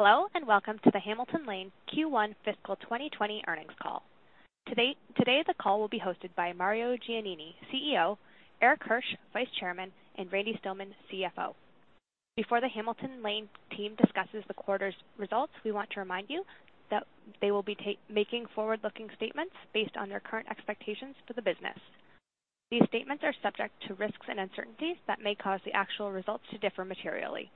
Hello, and welcome to the Hamilton Lane Q1 Fiscal 2020 Earnings Call. Today, the call will be hosted by Mario Giannini, CEO, Erik Hirsch, Vice Chairman, and Randy Stilman, CFO. Before the Hamilton Lane team discusses the quarter's results, we want to remind you that they will be making forward-looking statements based on their current expectations for the business. These statements are subject to risks and uncertainties that may cause the actual results to differ materially.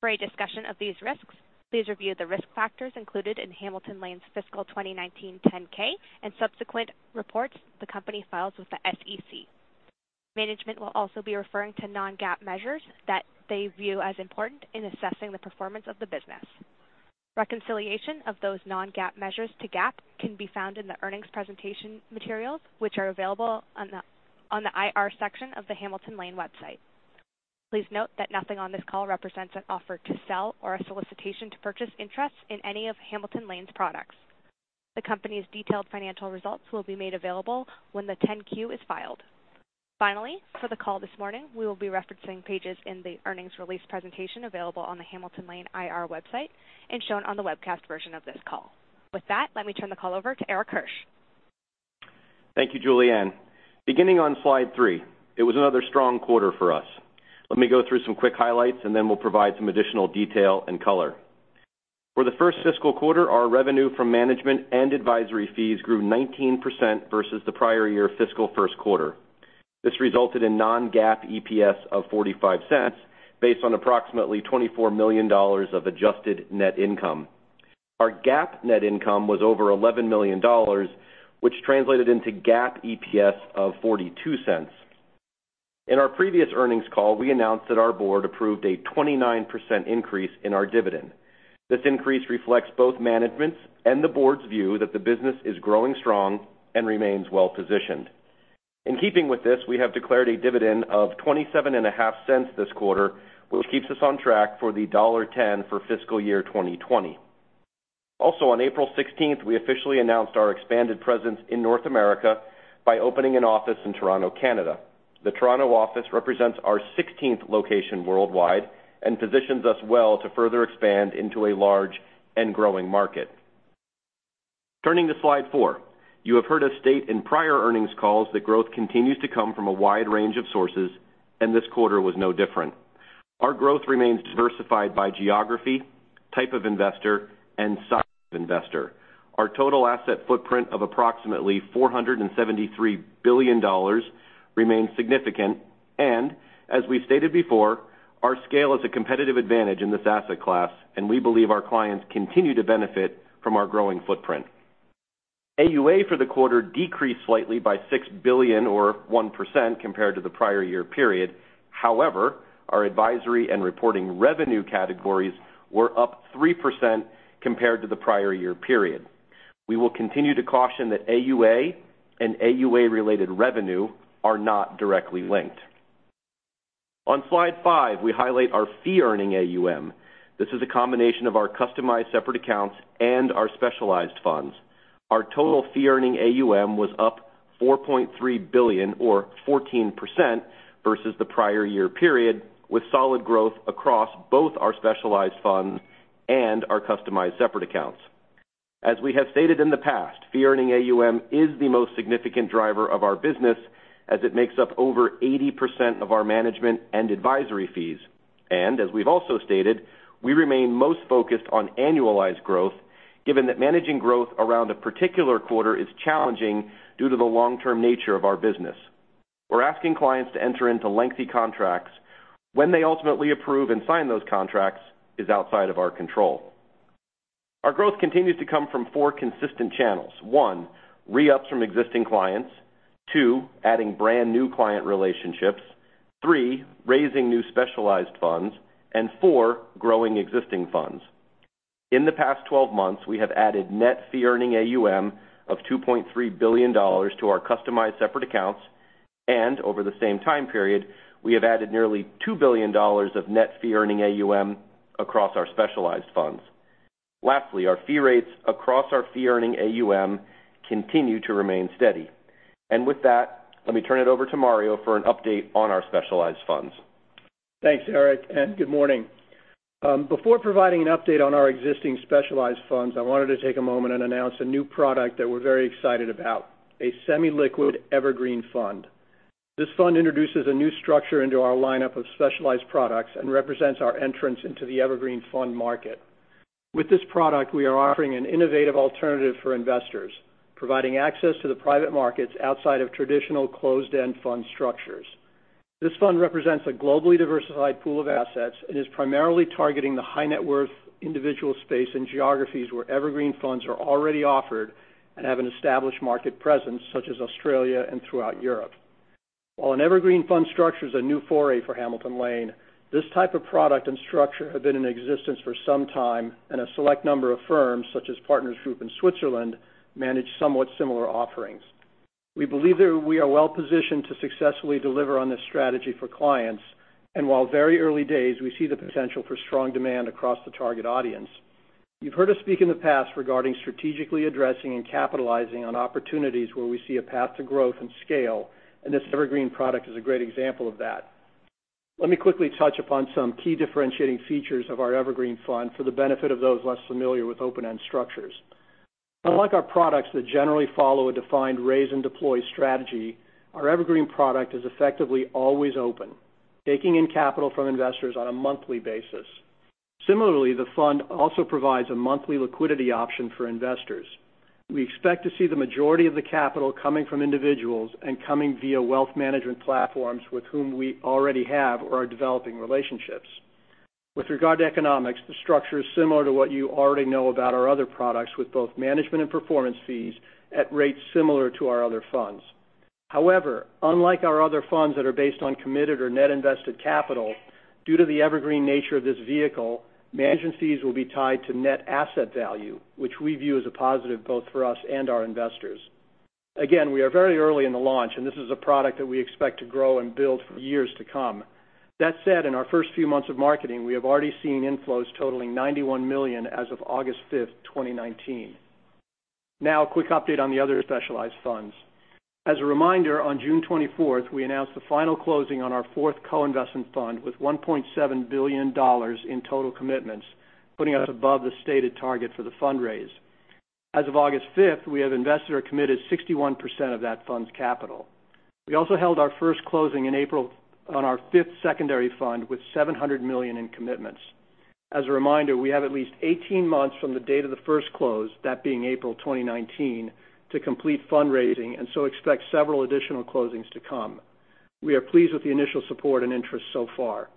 For a discussion of these risks, please review the risk factors included in Hamilton Lane's fiscal 2019 10-K, and subsequent reports the company files with the SEC. Management will also be referring to non-GAAP measures that they view as important in assessing the performance of the business. Reconciliation of those non-GAAP measures to GAAP can be found in the earnings presentation materials, which are available on the IR section of the Hamilton Lane website. Please note that nothing on this call represents an offer to sell or a solicitation to purchase interest in any of Hamilton Lane's products. The company's detailed financial results will be made available when the 10-Q is filed. Finally, for the call this morning, we will be referencing pages in the earnings release presentation available on the Hamilton Lane IR website and shown on the webcast version of this call. With that, let me turn the call over to Erik Hirsch. Thank you, Julianne. Beginning on slide three, it was another strong quarter for us. Let me go through some quick highlights, and then we'll provide some additional detail and color. For the first fiscal quarter, our revenue from management and advisory fees grew 19% versus the prior year fiscal first quarter. This resulted in non-GAAP EPS of $0.45, based on approximately $24 million of adjusted net income. Our GAAP net income was over $11 million, which translated into GAAP EPS of $0.42. In our previous earnings call, we announced that our board approved a 29% increase in our dividend. This increase reflects both management's and the board's view that the business is growing strong and remains well-positioned. In keeping with this, we have declared a dividend of $0.275 this quarter, which keeps us on track for $1.10 for fiscal year 2020. Also, on April 16th, we officially announced our expanded presence in North America by opening an office in Toronto, Canada. The Toronto office represents our sixteenth location worldwide and positions us well to further expand into a large and growing market. Turning to slide four, you have heard us state in prior earnings calls that growth continues to come from a wide range of sources, and this quarter was no different. Our growth remains diversified by geography, type of investor, and size of investor. Our total asset footprint of approximately $473 billion remains significant, and as we've stated before, our scale is a competitive advantage in this asset class, and we believe our clients continue to benefit from our growing footprint. AUA for the quarter decreased slightly by $6 billion or 1% compared to the prior year period. However, our advisory and reporting revenue categories were up 3% compared to the prior year period. We will continue to caution that AUA and AUA-related revenue are not directly linked. On slide five, we highlight our fee-earning AUM. This is a combination of our customized separate accounts and our specialized funds. Our total fee-earning AUM was up $4.3 billion or 14% versus the prior year period, with solid growth across both our specialized funds and our customized separate accounts. As we have stated in the past, Fee-Earning AUM is the most significant driver of our business, as it makes up over 80% of our management and advisory fees. And as we've also stated, we remain most focused on annualized growth, given that managing growth around a particular quarter is challenging due to the long-term nature of our business. We're asking clients to enter into lengthy contracts. When they ultimately approve and sign those contracts is outside of our control. Our growth continues to come from four consistent channels. One, re-ups from existing clients. Two, adding brand-new client relationships. Three, raising new specialized funds. And four, growing existing funds. In the past 12 months, we have added net fee-earning AUM of $2.3 billion to our customized separate accounts, and over the same time period, we have added nearly $2 billion of net fee-earning AUM across our specialized funds. Lastly, our fee rates across our fee-earning AUM continue to remain steady. And with that, let me turn it over to Mario for an update on our specialized funds. Thanks, Erik, and good morning. Before providing an update on our existing specialized funds, I wanted to take a moment and announce a new product that we're very excited about, a semi-liquid evergreen fund. This fund introduces a new structure into our lineup of specialized products and represents our entrance into the evergreen fund market. With this product, we are offering an innovative alternative for investors, providing access to the private markets outside of traditional closed-end fund structures. This fund represents a globally diversified pool of assets and is primarily targeting the high net worth individual space in geographies where evergreen funds are already offered and have an established market presence, such as Australia and throughout Europe. While an evergreen fund structure is a new foray for Hamilton Lane, this type of product and structure have been in existence for some time, and a select number of firms, such as Partners Group in Switzerland, manage somewhat similar offerings. We believe that we are well-positioned to successfully deliver on this strategy for clients, and while very early days, we see the potential for strong demand across the target audience. You've heard us speak in the past regarding strategically addressing and capitalizing on opportunities where we see a path to growth and scale, and this evergreen product is a great example of that. Let me quickly touch upon some key differentiating features of our evergreen fund for the benefit of those less familiar with open-end structures. Unlike our products that generally follow a defined raise and deploy strategy, our evergreen product is effectively always open, taking in capital from investors on a monthly basis. Similarly, the fund also provides a monthly liquidity option for investors. We expect to see the majority of the capital coming from individuals and coming via wealth management platforms with whom we already have or are developing relationships. With regard to economics, the structure is similar to what you already know about our other products, with both management and performance fees at rates similar to our other funds. However, unlike our other funds that are based on committed or net invested capital, due to the evergreen nature of this vehicle, management fees will be tied to net asset value, which we view as a positive both for us and our investors. Again, we are very early in the launch, and this is a product that we expect to grow and build for years to come. That said, in our first few months of marketing, we have already seen inflows totaling $91 million as of August 5th, 2019. Now, a quick update on the other specialized funds. As a reminder, on June 24th, we announced the final closing on our fourth co-investment fund, with $1.7 billion in total commitments, putting us above the stated target for the fundraise. As of August 5th, we have investor committed 61% of that fund's capital. We also held our first closing in April on our fifth secondary fund, with $700 million in commitments. As a reminder, we have at least 18 months from the date of the first close, that being April 2019, to complete fundraising, and so expect several additional closings to come. We are pleased with the initial support and interest so far.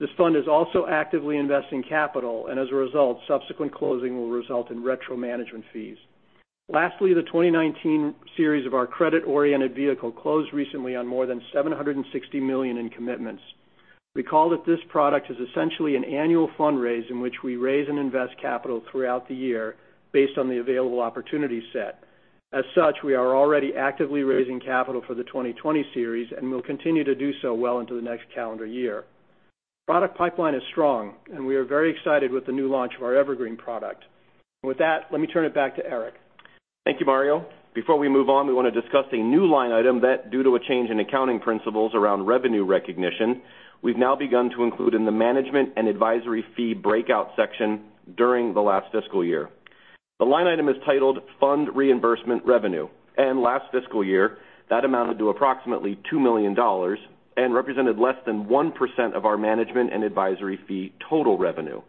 This fund is also actively investing capital, and as a result, subsequent closing will result in retro management fees. Lastly, the 2019 series of our credit-oriented vehicle closed recently on more than $760 million in commitments. Recall that this product is essentially an annual fundraise in which we raise and invest capital throughout the year based on the available opportunity set. As such, we are already actively raising capital for the 2020 series and will continue to do so well into the next calendar year. Product pipeline is strong, and we are very excited with the new launch of our evergreen product. With that, let me turn it back to Erik. Thank you, Mario. Before we move on, we want to discuss a new line item that, due to a change in accounting principles around revenue recognition, we've now begun to include in the management and advisory fee breakout section during the last fiscal year. The line item is titled Fund Reimbursement Revenue, and last fiscal year, that amounted to approximately $2 million and represented less than 1% of our management and advisory fee total revenue.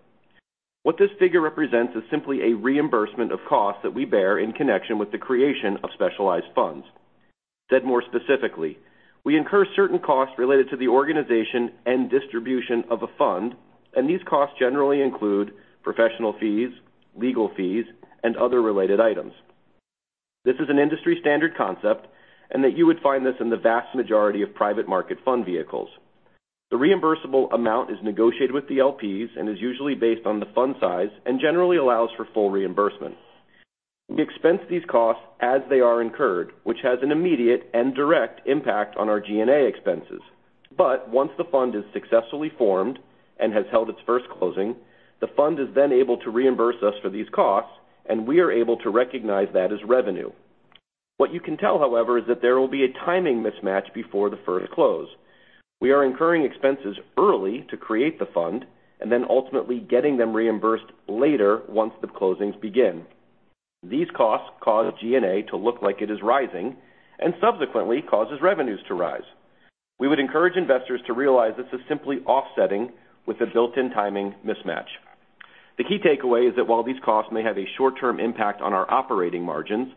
What this figure represents is simply a reimbursement of costs that we bear in connection with the creation of specialized funds. Said more specifically, we incur certain costs related to the organization and distribution of a fund, and these costs generally include professional fees, legal fees, and other related items. This is an industry-standard concept, and that you would find this in the vast majority of private market fund vehicles. The reimbursable amount is negotiated with the LPs and is usually based on the fund size and generally allows for full reimbursement. We expense these costs as they are incurred, which has an immediate and direct impact on our G&A expenses. But once the fund is successfully formed and has held its first closing, the fund is then able to reimburse us for these costs, and we are able to recognize that as revenue. As you can tell, however, is that there will be a timing mismatch before the first close. We are incurring expenses early to create the fund and then ultimately getting them reimbursed later once the closings begin. These costs cause G&A to look like it is rising and subsequently causes revenues to rise. We would encourage investors to realize this is simply offsetting with a built-in timing mismatch. The key takeaway is that while these costs may have a short-term impact on our operating margins,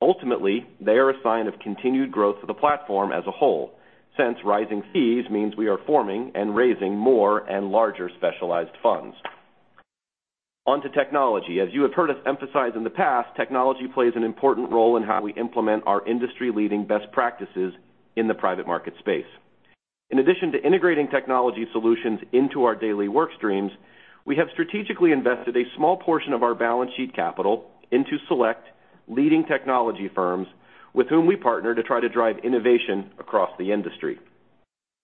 ultimately, they are a sign of continued growth of the platform as a whole, since rising fees means we are forming and raising more and larger specialized funds. On to technology. As you have heard us emphasize in the past, technology plays an important role in how we implement our industry-leading best practices in the private market space. In addition to integrating technology solutions into our daily work streams, we have strategically invested a small portion of our balance sheet capital into select leading technology firms with whom we partner to try to drive innovation across the industry.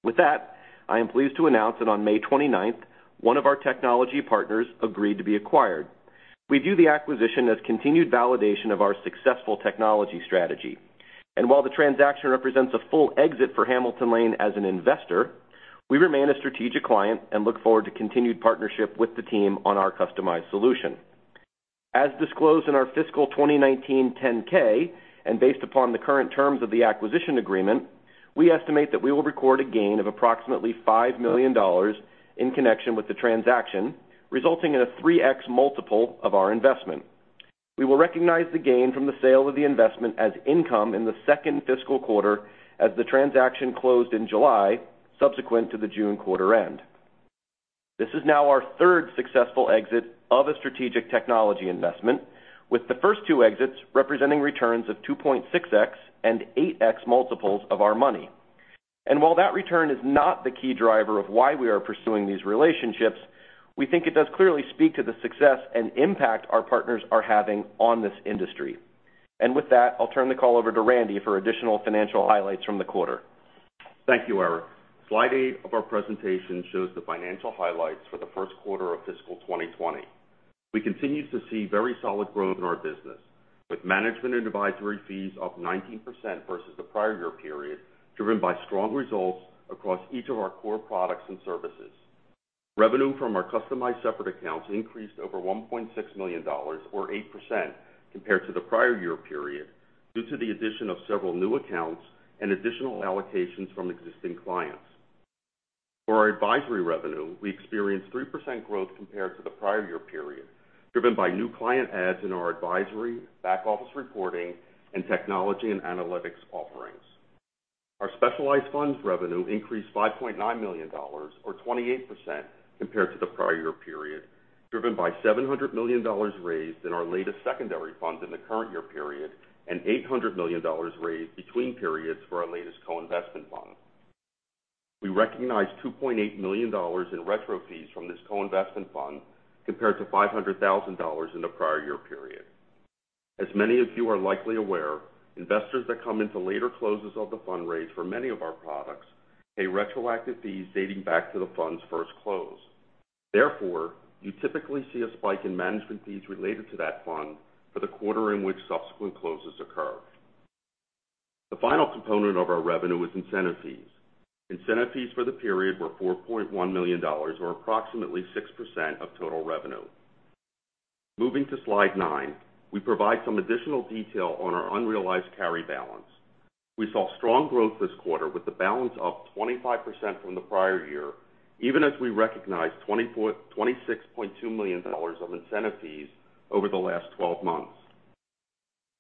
With that, I am pleased to announce that on May twenty-ninth, one of our technology partners agreed to be acquired. We view the acquisition as continued validation of our successful technology strategy, and while the transaction represents a full exit for Hamilton Lane as an investor, we remain a strategic client and look forward to continued partnership with the team on our customized solution. As disclosed in our fiscal 2019 10-K, and based upon the current terms of the acquisition agreement, we estimate that we will record a gain of approximately $5 million in connection with the transaction, resulting in a 3x multiple of our investment. We will recognize the gain from the sale of the investment as income in the second fiscal quarter, as the transaction closed in July, subsequent to the June quarter end. This is now our third successful exit of a strategic technology investment, with the first two exits representing returns of 2.6x and 8x multiples of our money. And while that return is not the key driver of why we are pursuing these relationships, we think it does clearly speak to the success and impact our partners are having on this industry. And with that, I'll turn the call over to Randy for additional financial highlights from the quarter. Thank you, Erik. Slide eight of our presentation shows the financial highlights for the first quarter of fiscal 2020. We continue to see very solid growth in our business, with management and advisory fees up 19% versus the prior year period, driven by strong results across each of our core products and services. Revenue from our customized separate accounts increased over $1.6 million, or 8% compared to the prior year period, due to the addition of several new accounts and additional allocations from existing clients. For our advisory revenue, we experienced 3% growth compared to the prior year period, driven by new client adds in our advisory, back office reporting, and technology and analytics offerings. Our specialized funds revenue increased $5.9 million, or 28% compared to the prior year period, driven by $700 million raised in our latest secondary fund in the current year period, and $800 million raised between periods for our latest co-investment fund. We recognized $2.8 million in retro fees from this co-investment fund, compared to $500,000 in the prior year period. As many of you are likely aware, investors that come into later closes of the fundraise for many of our products pay retroactive fees dating back to the fund's first close. Therefore, you typically see a spike in management fees related to that fund for the quarter in which subsequent closes occur. The final component of our revenue is incentive fees. Incentive fees for the period were $4.1 million, or approximately 6% of total revenue. Moving to Slide nine, we provide some additional detail on our unrealized carry balance. We saw strong growth this quarter, with the balance up 25% from the prior year, even as we recognized $26.2 million of incentive fees over the last 12 months.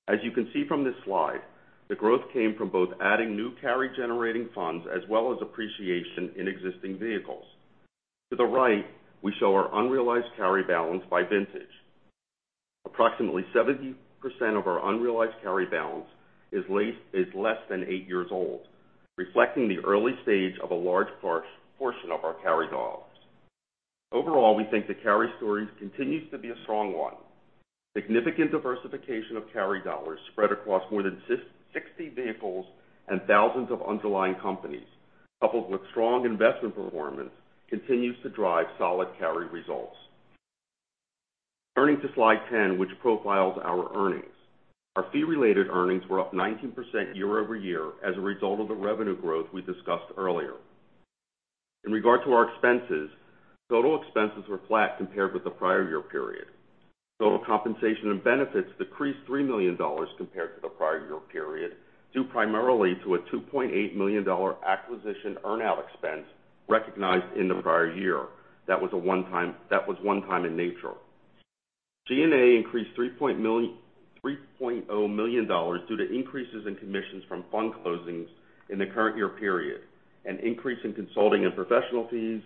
As you can see from this slide, the growth came from both adding new carry generating funds as well as appreciation in existing vehicles. To the right, we show our unrealized carry balance by vintage. Approximately 70% of our unrealized carry balance is less than eight years old, reflecting the early stage of a large portion of our carry dollars. Overall, we think the carry story continues to be a strong one. Significant diversification of carry dollars spread across more than 60 vehicles and thousands of underlying companies, coupled with strong investment performance, continues to drive solid carry results. Turning to Slide 10, which profiles our earnings. Our fee-related earnings were up 19% year-over-year as a result of the revenue growth we discussed earlier. In regard to our expenses, total expenses were flat compared with the prior year period. Total compensation and benefits decreased $3 million compared to the prior year period, due primarily to a $2.8 million acquisition earn-out expense recognized in the prior year. That was one-time in nature. G&A increased $3.0 million due to increases in commissions from fund closings in the current year period, an increase in consulting and professional fees,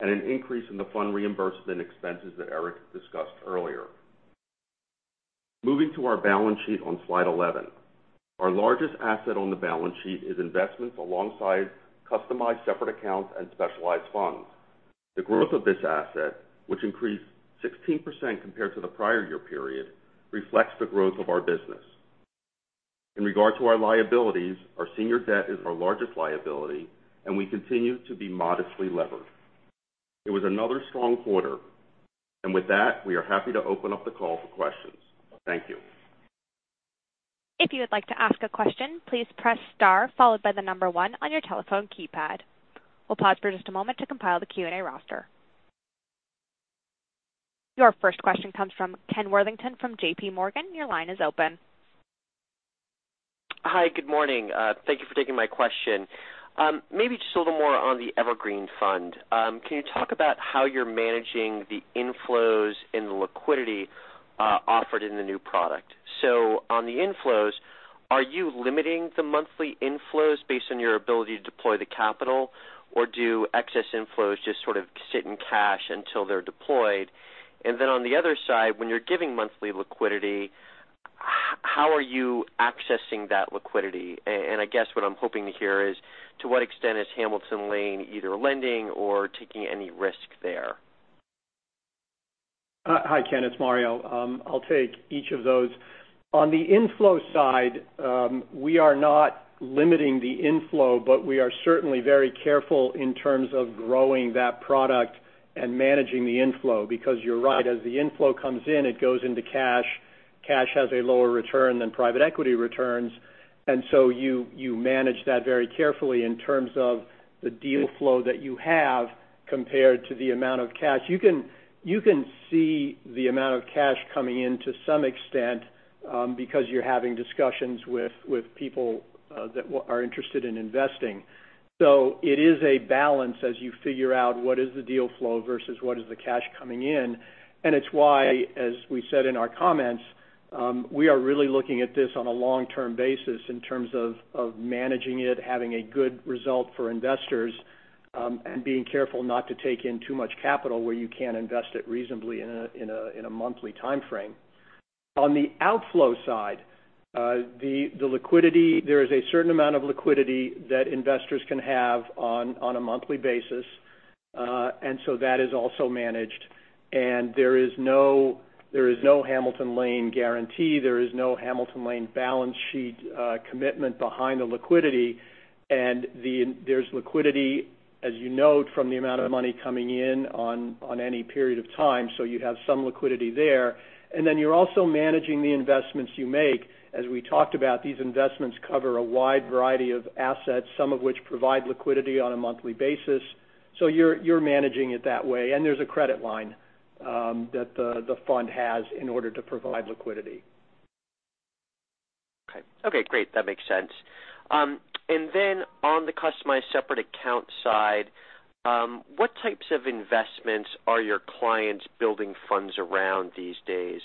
and an increase in the fund reimbursement expenses that Erik discussed earlier. Moving to our balance sheet on Slide 11. Our largest asset on the balance sheet is investments alongside customized separate accounts and specialized funds. The growth of this asset, which increased 16% compared to the prior year period, reflects the growth of our business. In regard to our liabilities, our senior debt is our largest liability, and we continue to be modestly levered. It was another strong quarter, and with that, we are happy to open up the call for questions. Thank you. If you would like to ask a question, please press star followed by the number one on your telephone keypad. We'll pause for just a moment to compile the Q&A roster. Your first question comes from Ken Worthington from J.P. Morgan. Your line is open. Hi, good morning. Thank you for taking my question. Maybe just a little more on the evergreen fund. Can you talk about how you're managing the inflows and the liquidity offered in the new product? So on the inflows, are you limiting the monthly inflows based on your ability to deploy the capital, or do excess inflows just sort of sit in cash until they're deployed? And then on the other side, when you're giving monthly liquidity, how are you accessing that liquidity? And I guess what I'm hoping to hear is, to what extent is Hamilton Lane either lending or taking any risk there? Hi, Ken, it's Mario. I'll take each of those. On the inflow side, we are not limiting the inflow, but we are certainly very careful in terms of growing that product and managing the inflow, because you're right, as the inflow comes in, it goes into cash. Cash has a lower return than private equity returns, and so you manage that very carefully in terms of the deal flow that you have compared to the amount of cash. You can see the amount of cash coming in to some extent, because you're having discussions with people that are interested in investing. So it is a balance as you figure out what is the deal flow versus what is the cash coming in. It's why, as we said in our comments, we are really looking at this on a long-term basis in terms of managing it, having a good result for investors, and being careful not to take in too much capital where you can't invest it reasonably in a monthly timeframe. On the outflow side, the liquidity, there is a certain amount of liquidity that investors can have on a monthly basis.... and so that is also managed, and there is no Hamilton Lane guarantee. There is no Hamilton Lane balance sheet commitment behind the liquidity, and there's liquidity, as you note, from the amount of money coming in on any period of time, so you have some liquidity there, and then you're also managing the investments you make. As we talked about, these investments cover a wide variety of assets, some of which provide liquidity on a monthly basis, so you're managing it that way, and there's a credit line that the fund has in order to provide liquidity. Okay. Okay, great. That makes sense. And then on the customized separate account side, what types of investments are your clients building funds around these days?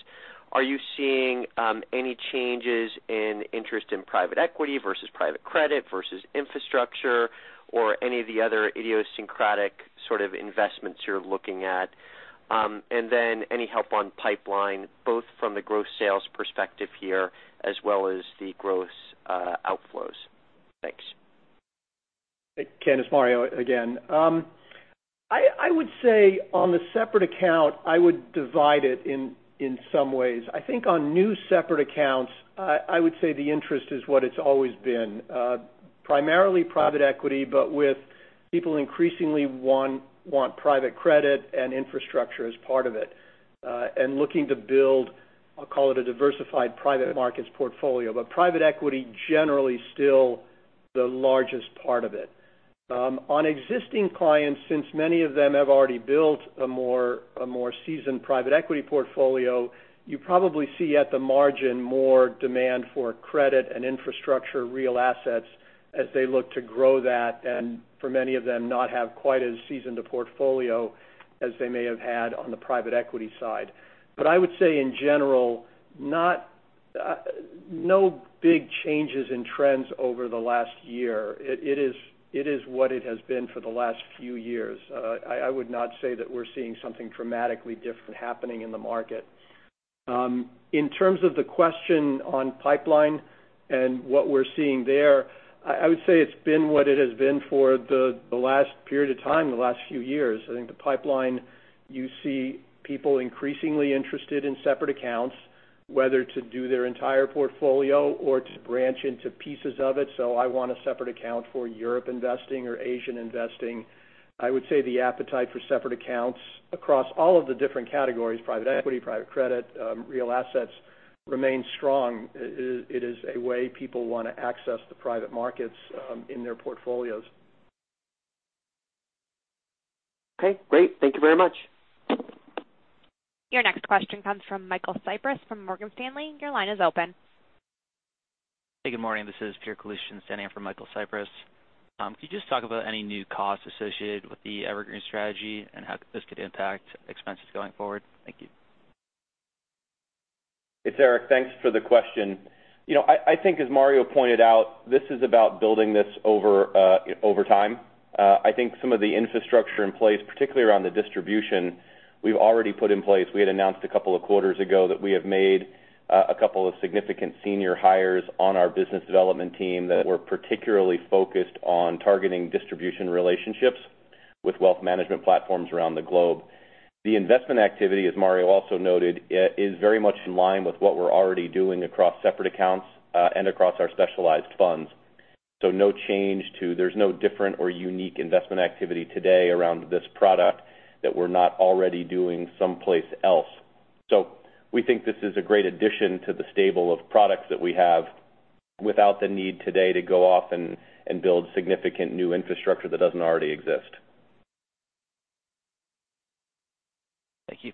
Are you seeing any changes in interest in private equity versus private credit versus infrastructure or any of the other idiosyncratic sort of investments you're looking at? And then any help on pipeline, both from the growth sales perspective here as well as the growth outflows? Thanks. Ken, it's Mario again. I would say on the separate account, I would divide it in some ways. I think on new separate accounts, I would say the interest is what it's always been, primarily private equity, but with people increasingly want private credit and infrastructure as part of it, and looking to build, I'll call it a diversified private markets portfolio, but private equity, generally, still the largest part of it. On existing clients, since many of them have already built a more seasoned private equity portfolio, you probably see at the margin more demand for credit and infrastructure, real assets as they look to grow that, and for many of them, not have quite as seasoned a portfolio as they may have had on the private equity side. But I would say in general, no big changes in trends over the last year. It is what it has been for the last few years. I would not say that we're seeing something dramatically different happening in the market. In terms of the question on pipeline and what we're seeing there, I would say it's been what it has been for the last period of time, the last few years. I think the pipeline, you see people increasingly interested in separate accounts, whether to do their entire portfolio or to branch into pieces of it. So I want a separate account for European investing or Asian investing. I would say the appetite for separate accounts across all of the different categories, private equity, private credit, real assets, remain strong. It is a way people wanna access the private markets in their portfolios. Okay, great. Thank you very much. Your next question comes from Michael Cyprys from Morgan Stanley. Your line is open. Hey, good morning. This is Peter Kaloostian standing in for Michael Cyprys. Could you just talk about any new costs associated with the evergreen strategy and how this could impact expenses going forward? Thank you. It's Erik. Thanks for the question. You know, I think as Mario pointed out, this is about building this over time. I think some of the infrastructure in place, particularly around the distribution, we've already put in place. We had announced a couple of quarters ago that we have made a couple of significant senior hires on our business development team that were particularly focused on targeting distribution relationships with wealth management platforms around the globe. The investment activity, as Mario also noted, is very much in line with what we're already doing across separate accounts and across our specialized funds. So no change to. There's no different or unique investment activity today around this product that we're not already doing someplace else. So we think this is a great addition to the stable of products that we have without the need today to go off and build significant new infrastructure that doesn't already exist. Thank you.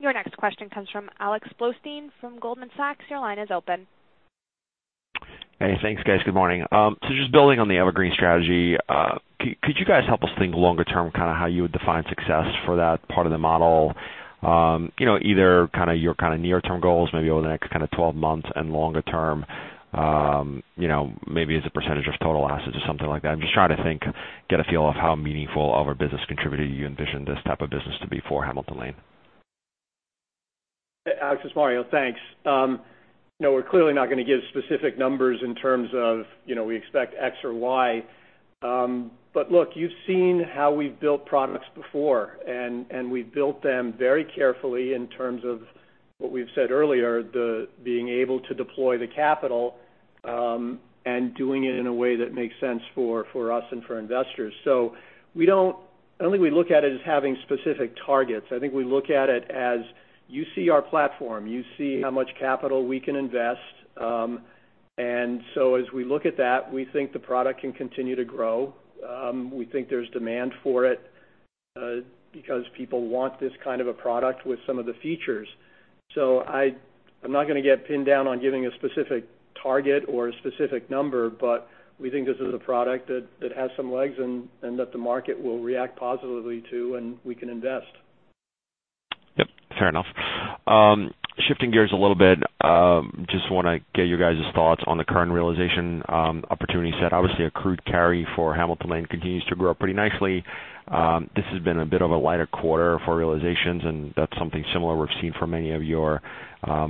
Your next question comes from Alex Blostein from Goldman Sachs. Your line is open. Hey, thanks, guys. Good morning. So just building on the evergreen strategy, could you guys help us think longer term, kind of how you would define success for that part of the model? You know, either kind of your kind of near-term goals, maybe over the next twelve months and longer term, you know, maybe as a percentage of total assets or something like that. I'm just trying to think, get a feel of how meaningful of a business contributor you envision this type of business to be for Hamilton Lane. Alex, it's Mario. Thanks. You know, we're clearly not gonna give specific numbers in terms of, you know, we expect X or Y. But look, you've seen how we've built products before, and we've built them very carefully in terms of what we've said earlier, the being able to deploy the capital, and doing it in a way that makes sense for us and for investors. So we don't. I don't think we look at it as having specific targets. I think we look at it as, you see our platform, you see how much capital we can invest. And so as we look at that, we think the product can continue to grow. We think there's demand for it, because people want this kind of a product with some of the features. So I'm not gonna get pinned down on giving a specific target or a specific number, but we think this is a product that has some legs and that the market will react positively to, and we can invest. Yep, fair enough. Shifting gears a little bit, just wanna get you guys' thoughts on the current realization opportunity set. Obviously, accrued carry for Hamilton Lane continues to grow pretty nicely. This has been a bit of a lighter quarter for realizations, and that's something similar we've seen for many of your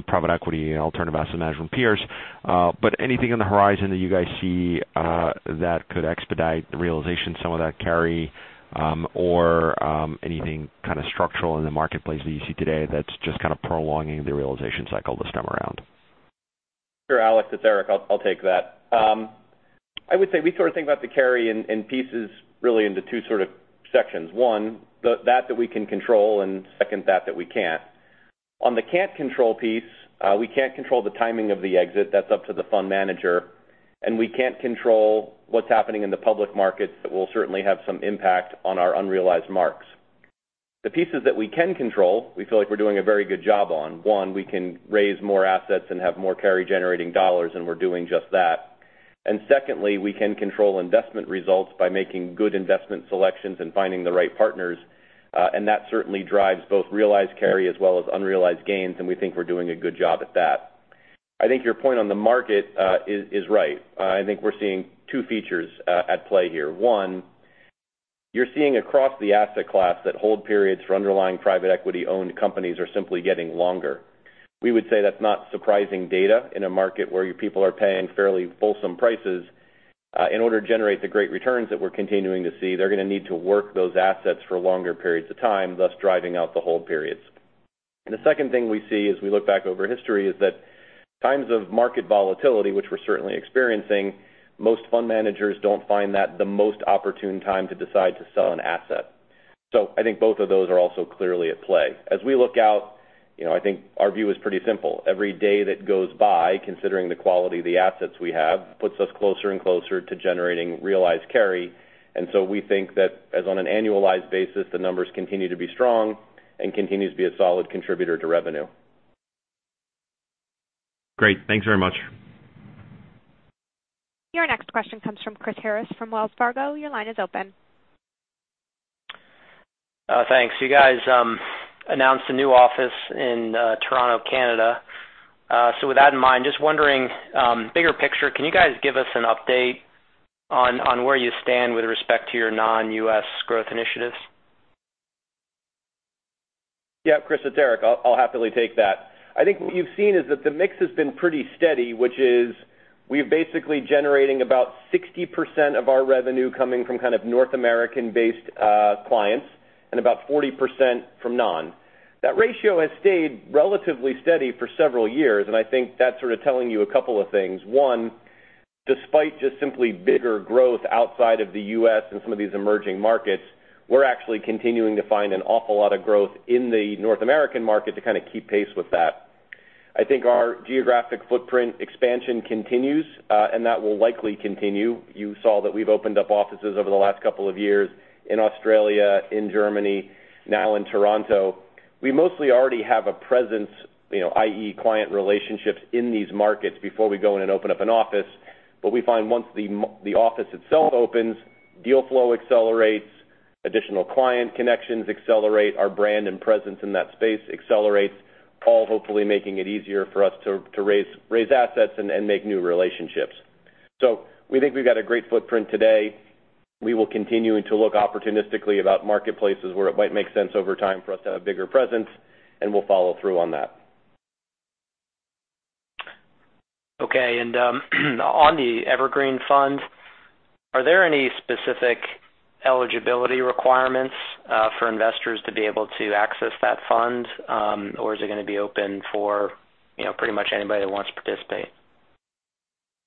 private equity and alternative asset management peers. But anything on the horizon that you guys see that could expedite the realization, some of that carry, or anything kind of structural in the marketplace that you see today that's just kind of prolonging the realization cycle this time around? Sure, Alex, it's Erik. I'll take that. I would say we sort of think about the carry in pieces, really into two sort of sections. One, that we can control, and second, that we can't. On the can't control piece, we can't control the timing of the exit. That's up to the fund manager, and we can't control what's happening in the public markets. That will certainly have some impact on our unrealized marks. The pieces that we can control, we feel like we're doing a very good job on. One, we can raise more assets and have more carry-generating dollars, and we're doing just that. And secondly, we can control investment results by making good investment selections and finding the right partners, and that certainly drives both realized carry as well as unrealized gains, and we think we're doing a good job at that. I think your point on the market is right. I think we're seeing two features at play here. One, you're seeing across the asset class that hold periods for underlying private equity-owned companies are simply getting longer. We would say that's not surprising data in a market where your people are paying fairly fulsome prices. In order to generate the great returns that we're continuing to see, they're gonna need to work those assets for longer periods of time, thus driving out the hold periods. And the second thing we see as we look back over history is that times of market volatility, which we're certainly experiencing, most fund managers don't find that the most opportune time to decide to sell an asset. So I think both of those are also clearly at play. As we look out, you know, I think our view is pretty simple. Every day that goes by, considering the quality of the assets we have, puts us closer and closer to generating realized carry. And so we think that as on an annualized basis, the numbers continue to be strong and continues to be a solid contributor to revenue. Great. Thanks very much. Your next question comes from Chris Harris from Wells Fargo. Your line is open. Thanks. You guys announced a new office in Toronto, Canada, so with that in mind, just wondering, bigger picture, can you guys give us an update on where you stand with respect to your non-US growth initiatives? Yeah, Chris, it's Erik. I'll happily take that. I think what you've seen is that the mix has been pretty steady, which is we're basically generating about 60% of our revenue coming from kind of North American-based clients and about 40% from non-U.S. That ratio has stayed relatively steady for several years, and I think that's sort of telling you a couple of things. One, despite just simply bigger growth outside of the U.S. and some of these emerging markets, we're actually continuing to find an awful lot of growth in the North American market to kind of keep pace with that. I think our geographic footprint expansion continues, and that will likely continue. You saw that we've opened up offices over the last couple of years in Australia, in Germany, now in Toronto. We mostly already have a presence, you know, i.e., client relationships in these markets before we go in and open up an office, but we find once the office itself opens, deal flow accelerates, additional client connections accelerate, our brand and presence in that space accelerates, all hopefully making it easier for us to raise assets and make new relationships. So we think we've got a great footprint today. We will continue to look opportunistically about marketplaces where it might make sense over time for us to have a bigger presence, and we'll follow through on that. Okay, and on the evergreen funds, are there any specific eligibility requirements for investors to be able to access that fund, or is it gonna be open for, you know, pretty much anybody who wants to participate?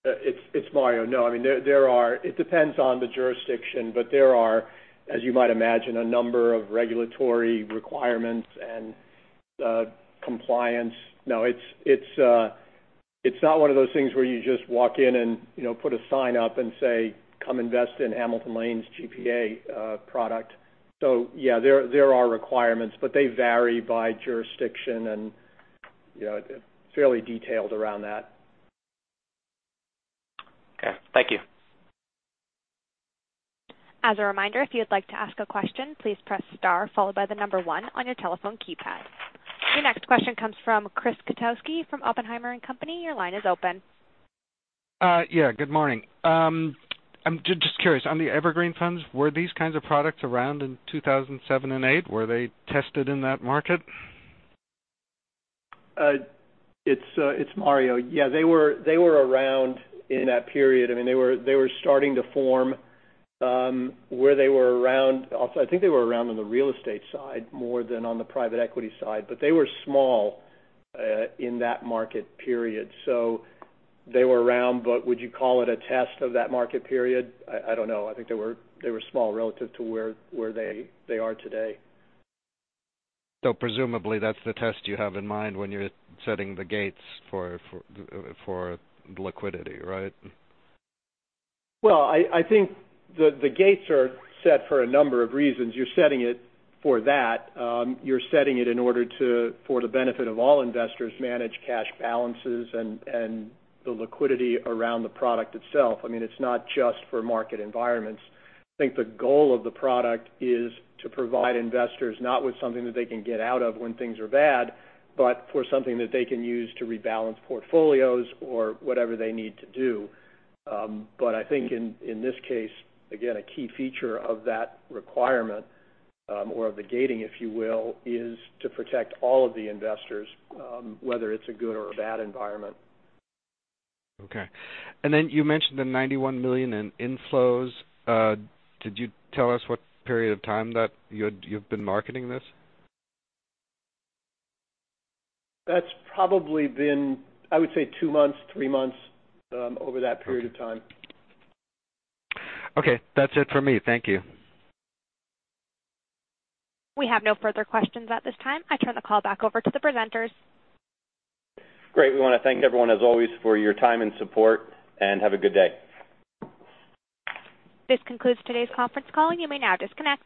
It's Mario. I mean, there are. It depends on the jurisdiction, but there are, as you might imagine, a number of regulatory requirements and compliance. It's not one of those things where you just walk in and, you know, put a sign up and say, "Come invest in Hamilton Lane's GPA product." So yeah, there are requirements, but they vary by jurisdiction and, you know, fairly detailed around that. Okay, thank you. As a reminder, if you'd like to ask a question, please press star followed by the number one on your telephone keypad. Your next question comes from Chris Kotowski from Oppenheimer and Company. Your line is open. Yeah, good morning. I'm just curious, on the evergreen funds, were these kinds of products around in 2007 and 2008? Were they tested in that market? It's Mario. Yeah, they were around in that period. I mean, they were starting to form where they were around. I think they were around on the real estate side more than on the private equity side, but they were small in that market period. So they were around, but would you call it a test of that market period? I don't know. I think they were small relative to where they are today. So presumably, that's the test you have in mind when you're setting the gates for liquidity, right? Well, I think the gates are set for a number of reasons. You're setting it for that. You're setting it in order to, for the benefit of all investors, manage cash balances and the liquidity around the product itself. I mean, it's not just for market environments. I think the goal of the product is to provide investors not with something that they can get out of when things are bad, but for something that they can use to rebalance portfolios or whatever they need to do, but I think in this case, again, a key feature of that requirement, or of the gating, if you will, is to protect all of the investors, whether it's a good or a bad environment. Okay. And then you mentioned the $91 million in inflows. Could you tell us what period of time that you've been marketing this? That's probably been, I would say, two months, three months, over that period of time. Okay. That's it for me. Thank you. We have no further questions at this time. I turn the call back over to the presenters. Great. We wanna thank everyone, as always, for your time and support, and have a good day. This concludes today's conference call. You may now disconnect.